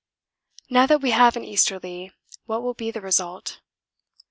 Now that we have an easterly, what will be the result?